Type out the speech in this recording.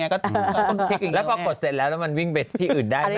แล้วพอกดเสร็จแล้วแล้วมันวิ่งไปที่อื่นได้เลย